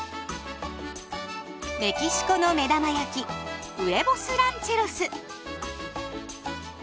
メキシコのめだま焼きウエボス・ランチェロス。